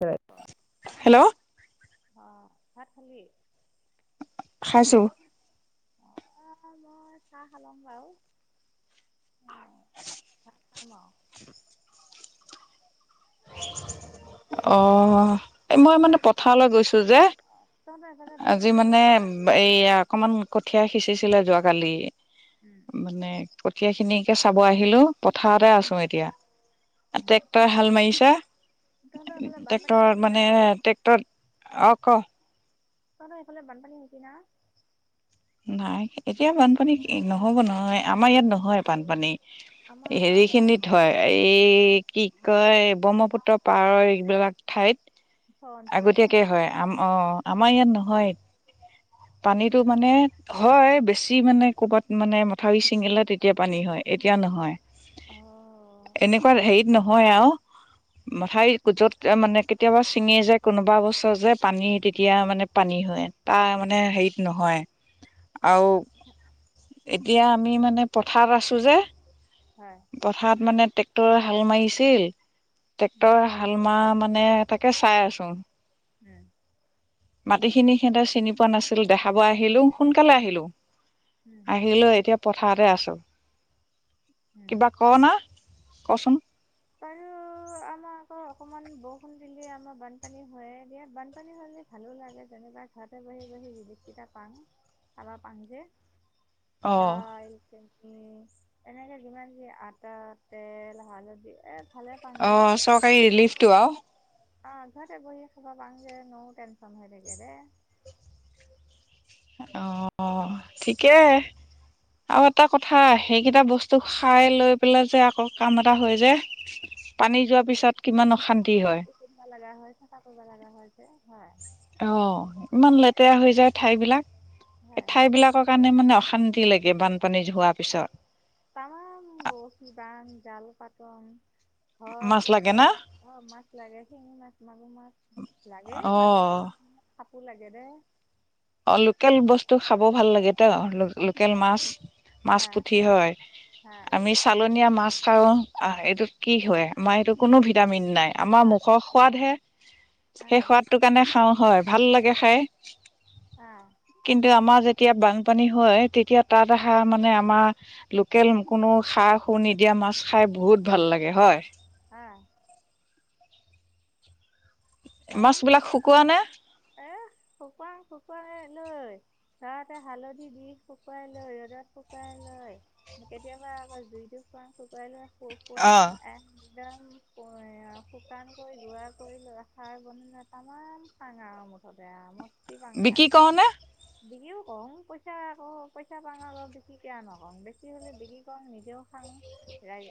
হয়, অ- হেল্ল। অঁ, ভাত খালি? খাইছোঁ। অঁ, মই চাহ খালোঁম বাৰু। [inaudible] অ, এই মই মানে পথাৰলৈ গৈছো যে। অ। আজি মানে এই অকমান কঠিয়া সিঁচিছিলো যোৱাকালি। উম। মানে কঠীয়া খিনিকে চাব আহিলো। পথাৰতে উম, আছোঁ এতিয়া। উম, ট্ৰেক্টৰে তহঁতৰ হাল মাৰিছে। তহঁতৰ এইফালে বানপানী টেক্টৰত হৈছে না? মানে ট্ৰেক্টৰ অ, ক? তহঁতৰ সেই ফালে বানপানী হৈছে না? নাই এতিয়া বানপানী, নহ'ব নহয় আমাৰ ইয়াত নহয় বানপানী। আমাৰ আকৌ হেৰি খিনিত হয়। এই কি কয় ব্ৰহ্মপুত্ৰ পাৰ হৈ এইবিলাক ঠাইত ওচৰ অঞ্চলত অ', আগতীয়াকে হয়। অ, আমাৰ ইয়াত নহয়। পানীতটো মানে হয়, বেছি মানে ক'বাত মানে মথাউৰি ছিঙিলে তেতিয়া পানী হয়, এতিয়া নহয়। অ এনেকুৱা হেৰিত নহয় আৰু। মাথাৰি য'ত মানে কেতিয়াবা ছিঙি যায় কোনোবা এবছৰ যে পানী তেতিয়া মানে পানী হয়। তাৰ মানে হেৰিত নহয়। আৰু এতিয়া আমি, মানে পথাৰত আছোঁ যে। হয়, পথাৰত মানে ট্ৰেক্টৰে হাল মাৰিছিল, উম, ট্ৰেক্টৰ হাল মৰা মানে তাকে চাই আছো। উম। মাটিখিনি সিহঁতে চিনি পোৱা নাছিল দেখাব আহিলো। সোনকালে আহিলোঁ, উম, আহি লৈ এতিয়া পথাৰতে আছোঁ। উম, কিবা কৱনা, কচোন? আৰু। আমাৰ আকৌ অকণমান বৰষুণ দিলে আমাৰ বানপানী হৈয়ে দিয়ে, বানপানী হ'লে ভালো লাগে যেনিবা। ঘৰতে বহি বহি ৰালিফ কেইটা পাওঁ, খাবা পাম যে। অ দাইল চেনি এনেকে যিমান যি আটা তেল হালধি। এ ভালে পাং দে। অঁ চৰকাৰী ৰিলিফটো আৰু। অ' ঘৰতে বহি খাবা পাং ন' টেনচন হৈ থাকে দে। অ' ঠিকেই। আৰু এটা কথা সেইকেইটা বস্তু খাই পেলাই যে আকৌ এটা হয় যে। [inaudible] পানী যোৱাৰ পিছত কিমান অশান্তি হয়। কৰিব লগা হয় চাফা কৰিব লগা হয় যে, হয়। অঁ, ইমান লেতেৰা হৈ যায় ঠাইবিলাক, এই হয়। ঠাইবিলাক ৰ কাৰণে মানে অশান্তি লাগে বানপানী যোৱাৰ পিছত। তামাম বৰশী বাং জাল পাতোং মাছ লাগে না ধৰক অ' মাছ লাগে শিঙি মাছ মাগুৰ মাছ লাগে মাজে অ', মাজে কাপোৰ লাগে দে অ' লোকেল বস্তু খাব ভাল লাগেতো লোকেল মাছ হা মাছ পুঠি হয় হা আমি চালনীয়া মাছ খাওঁ, এইটোত কি হয় আমাৰ এইটো কোনো ভিটামিন নাই আমাৰ হা মুখৰ সোৱাদহে আ সেই সোৱাদটো কাৰণে খাওঁ হয়, ভাল লাগে খায়। আ কিন্তু আমাৰ যেতিয়া বানপানী হয় তেতিয়া তাত অহা মানে আমাৰ লোকেল কোনো সাৰ সুৰ নিদিয়া খাই বহুত ভাল লাগে হয়। আ মাছ তামাম বিলাক খাব শুকোৱা নে এ শুকুৱাই শুকুৱাই লৈ তাতে হালধি দি শুকুৱাই লৈ ৰ'দত শুকুৱাই লয়। কেতিয়াবা আকৌ জুইটো ফুৱাং শুকুৱাবলৈ। প পুৰা অ'। একদম এ শুকান কৰি গুৰা কৰি লোৱা খাৰ বনিলে তামাম খাং আও মুঠতে আও বিক্ৰী কৰনে বিক্ৰীও কৰোং পইচা আকৌ পইচা পাও অলপ বিক্ৰী কিয় নকওঁ বেছি হ'লে বিক্ৰী কৰোং নিজেও খাং। ৰাই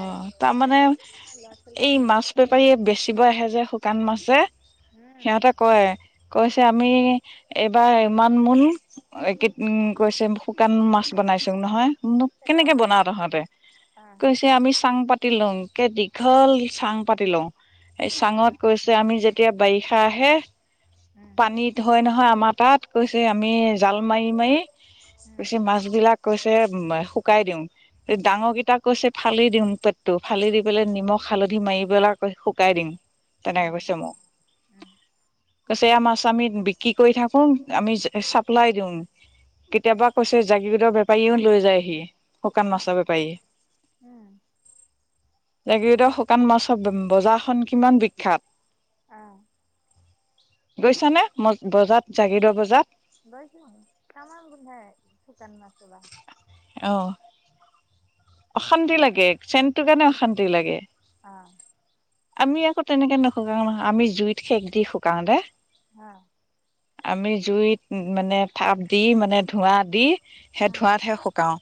ৰাই তাৰমানে ৰাইজকো মানে ল'ৰা ছোৱালী এই মাছ বেপাৰীয়ে বেচিব আহে যে শু শুকান মাছে উম সিহঁতক কয়, কৈছে আমি এইবাৰ ইমান মোন এক উম কৈছে শুকান মাছ বনাইছোঁ নহয় মই বোলো চেপা কেনেকে মাছ অ বনাও তহঁতে অ কৈছে আমি চাং পাতি লওঁ, একে দীঘল চাং পাতি লওঁ, অ চাঙত কৈছে আমি যেতিয়া বাৰিষা আহে, উম পানীত হয় নহয় আমাৰ তাত, কৈছে আমি জাল মাৰি মাৰি উম কৈছে মাছ বিলাক কৈছে শুকাই দিও এই ডাঙৰকেইটাক কৈছে ফালি দিওঁ পেটটো, ফালি দি পেলাই নিমখ হালধি মাৰি পেলাই শুকাই দিং তেনেকে উম, কৈছে মোক উম, কৈছে এইয়া মাছ আমি বিক্ৰী কৰি থাকোং আমি চাপ্লাই দিওঁ। কেতিয়াবা কৈছে জাগীৰোদৰ বেপাৰীও লৈ যায়হি শুকান উম, মাছৰ বেপাৰীয়ে। উম জাগীৰোডৰ শুকান মাছৰ বজাৰ খন কিমান বিখ্যাত। অ গৈছানে মই বজাত জাগীৰোডৰ বজাত। গৈছোঁং তামাম গোন্ধাই শুকান মাছ সোপা। অ অশান্তি লাগে চেনটো কাৰণে অশান্তি লাগে। অ আমি আকৌ তেনেকে নুশুকাও নহয় আমি জুইত সেক দি শুকাও দে। অ আমি জুইত মানে তাপ দি মানে ধোঁৱা দি সেই উম, ধোঁৱাতহে শুকাও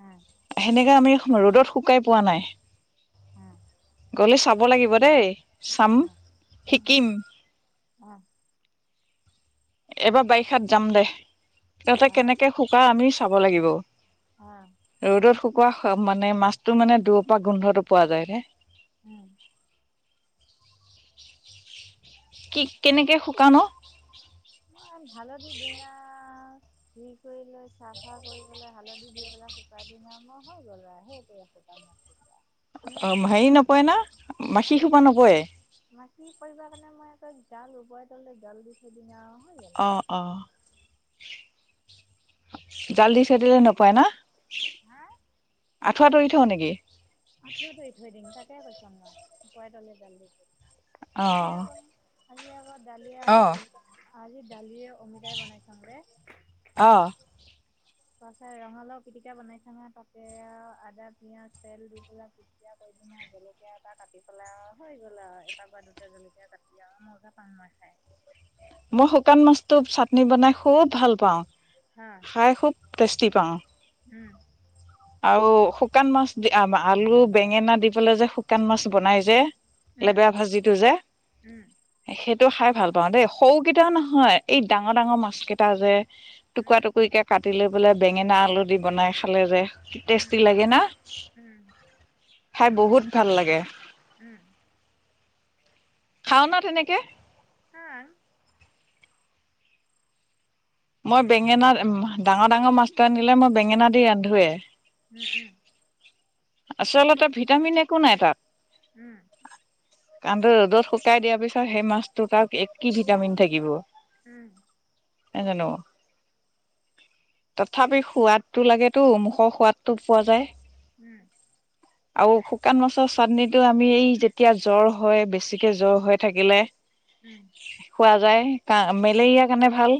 উম, সেনেকে আমি ৰ'দত শুকাই পোৱা নাই। উম গ'লে চাব লাগিব দেই চাম শিকিম। অ এবাৰ বাৰিষাত যাম দে। তহঁতে আহ, কেনেকে শুকাও আমিও চাব লাগিব। আহ, ৰ'দত শুকোৱা মানে মাছটো মানে দূৰপা গোন্ধতো পোৱা যায় নে। এ কি কেনেকে শুকাৱ অ ইমান হালধি ডিঙ আ ধুই কৰি লৈ চাফা কৰি পেলাই হালধি দি পেলাই শুকাই দিঙ আও মই হৈ গ'ল আৰু সেইটোৱে শুকান মাছ। [unintelligible] নকৰে মাখি পৰিব কাৰণে মই এটা জাল উপৰে তলই জাল দি থৈ দিঙ আও হৈ গ'ল আৰু অঁ জাল দি থৈ দিলে নপৰে না হা আঠুৱা তৰি থও নেকি? আঠুৱা তৰি থৈ দিঙ তাকে কৈছুং মই উপই তলে জাল দি দিং অ আজি আকৌ আজি আকৌ দালিয়ে, অ আলু, অমিতা আজি দালিয়ে, অমিতাই বনাইছোঁ যে অ তাৰপাছত ৰঙালাও পিটিকা বনাইছোঁ আৰু তাতে আদা পিয়াজ তেল দি পেলায় পিতিকা কৰিলোঁ আৰু জলকীয়া এটা কাটি পেলাই আৰু হৈ গ'ল আৰু এটা বা দুটা জলকীয়া কাটি আৰু মজা পাওঁ মই খাই। মই শুকান মাছটো চাটনি‌ বনাই খুব ভাল পাওঁ। হা খাই খুব টেষ্টি পাওঁ। উম আৰু শুকান মাছ দি আলু, বেঙেনা দি পেলাই যে শুকান মাছ বনাই যে উম লেবেয়া ভাজিটো যে উম সেইটো খাই ভাল পাওঁ দেই সৰুকেইটা নহয় এই ডাঙৰ ডাঙৰ মাছ কেইটা যে টুকুৰা উম টুকুৰি কে কাটি লৈ পেলায় বেঙেনা, আলু দি বনাই খালে যে উম টেষ্টি লাগে না উম খাই বহুত ভাল লাগে। উম খাওঁ না তেনেকে? খাঙ মই বেঙেনা ডাঙৰ ডাঙৰ মাছটো আনিদিলে মই বেঙেনা দি ৰান্ধোৱে উম উম আচলতে ভিটামিন একো নাই তাত উম কাৰণটো ৰ'দত শুকাই দিয়াৰ পিছত সেই মাছটোত আৰু এক কেজি ভিটামিন থাকিব উম এ জানো তথাপি সোৱাদটো লাগেতো মুখৰ সোৱাদটো পোৱা যায় উম আৰু শুকান মাছ চাটনিটো আমি এই যেতিয়া জ্বৰ হয় বেছিকে জ্বৰ হৈ থাকিলে উম খোৱা যায়। কা মেলেৰিয়া কাৰণে ভাল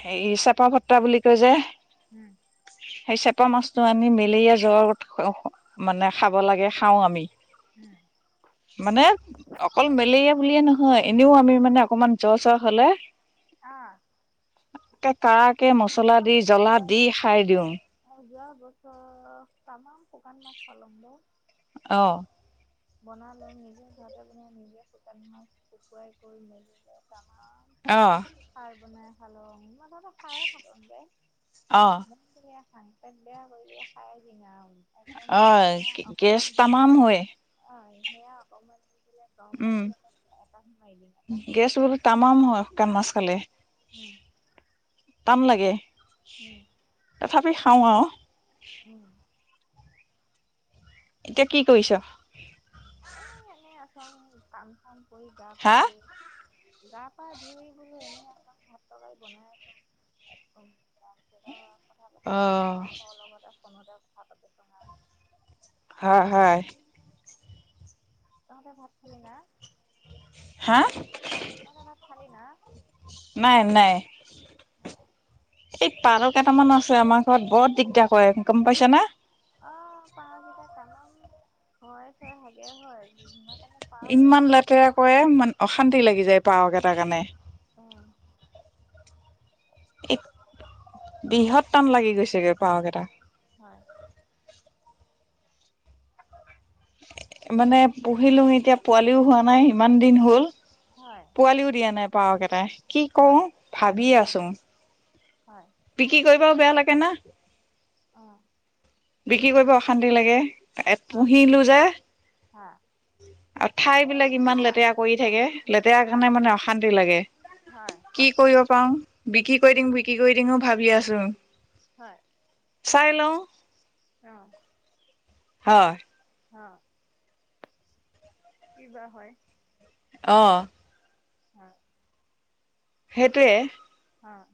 হেই চেপা ভট্টা বুলি কয় যে উম সেই চেপা মাছটো আনি মেলেৰিয়া জ্বৰ মানে খাব লাগে খাওঁ আমি। উম মানে অকল মেলেৰিয়া বুলিয়ে নহয় এনেও আমি মানে অকমান জ্বৰ চৰ হ'লে। আ একে কাৰাকে মছলা দি জ্বলা দি খাই দিওঁ। অ', যোৱা বছৰ তামাম শুকান মাছ খালো দে। অ'। বনালো নিজে ভাতে বনাই নিজে শুকান মাছ শুকুৱাই কৰি মেজিলে টামান অ'। খাৰ বনাই খালো মানতে খায়ে থাকো দে। অ'। মন গ'লেই খাওঁ পেট বেয়া কৰিলে খাই দি আৰু। একদম অ গেছ অকণমান দিছিল। তামাম হয় অ', সেয়া অকমান দি কেনে গৰম উম ভাতলৈ এটা সোমাই দিম এ সেকেই দু মাম হয় শুকান মাছ খালে। উম। টান লাগে। উম। তথাপি খাওঁ আৰু। উম। এতিয়া কি কৰিছ? এ এনেই আচং কাম চাম কৰি গা পা হা ধূই। গা পা ধুই বোলো এনেই আছং ভাত তলাই বনাইদম একদম। [unintelligible] কথা অ পাতি ত লগতে ফোনতে কথা পাতি আছে। হা হায়। তহঁতে ভাত খালি না? হা? তহঁতে ভাত খালি না? নাই নাই। অ'। এই তাল কেইটামান আছে আমাৰ ঘৰত বৰ দিগদাৰ কৰে গম পাইছা না? অ', পাৰ কেইটা তামাম হৈ চে ভাগে হয় বি কাৰণে পাৰ ইমান পুহিলে লেতেৰা কৰে মান অশান্তি লাগি যায় পাৰহ কেইটাৰ কাৰণে। অ'। বৃহত্তম লাগি গৈছে গৈ পাৰ কেইটা। হয়। মানে পুহিলোঁ এতিয়া পোৱালিও হোৱা নাই ইমান দিন হ'ল। হয়। পোৱালিও দিয়া নাই পাৰ কেটাই কি কওঁ হয় ভাবি আছো। হয়। বিক্ৰী কৰিবও বেয়া লাগে না। অ'। বিক্ৰী কৰিব অশান্তি লাগে হয় পুহিলো যে। হয় আৰু ঠাইবিলাক ইমান লেতেৰা কৰি থাকে লেতেৰা হয় কাৰণে মানে অশান্তি লাগে। হয় কি কৰিব পাৰওঁ বিক্ৰী কৰি দিম বিক্ৰী কৰি দিঙো ভাবি আছো। হয়। চাই লওঁ। অহ- হয়ঁ। অঁ। কিবা হয়। অঁ! অঁ! সেইটোৱে। অঁ!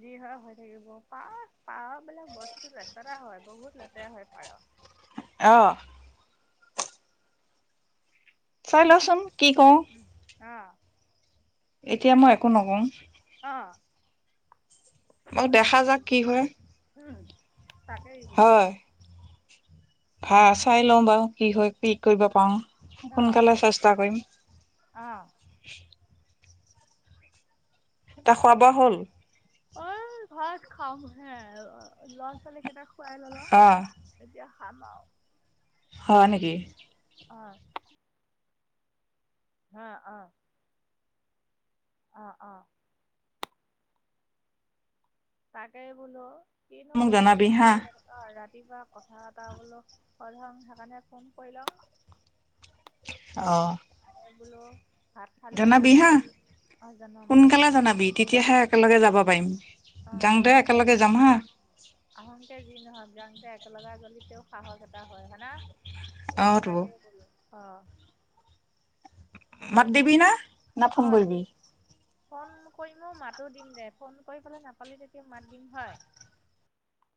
যি হয়, হৈ থাকিব পাৰ পাৰবিলাক বস্তু লেতেৰা হয়, বহুত লেতেৰা হয়, পায়স। অঁ। চাই লচোন কি কওঁ। উমঁ, অ। এতিয়া মই একো নকওঁ। অঁ! অঁ দেখা যাক কি হয়। উমঁ, তাকেই বোলো। হয় ভা চাই লওঁ বাৰু কি হয়, কি কৰিব পাৰো সোনকালে চেষ্টা কৰিম। অঁ! এটা খোৱা বোৱা হ'ল? অএ ভাত খাম হে আৰু ল'ৰা-ছোৱালী কেইটা খুৱাই ল'লো। অ এতিয়া খামা আও। হয়ঁ, নেকি? অঁ! হা অঁ! অঁ অঁ। তাকেই বোলো কিনো মোক কৰি জনাবি আছ হা তাকে- অঁ ৰাতিপুৱা কথা এটা বোলো সোধোঁ সেইকাৰণে ফোন কৰি লং। অহ। এ বোলো- ভাত খালি না জনাবি হা, নাই? অ', জনাম সোনকালে জনাম। জনাবি তেতিয়াহে একেলগে যাব পাৰিম। অঁ যাওঁতে যাব পাৰিম। একেলগে যাম হা আহংতে যি নহওঁক যাংতে একেলগে গলি তেওঁ সাহস এটা হয়ঁ হয় না। অ তো তাকেই বোলো অঁ। মাত তাকে দিবি না না অ ফোন দিম। কৰিবি ফোন কৰিমও মাতো দিম দে ফোন কৰি পেলাই নাপালি তেতিয়া মাত দিম হয়।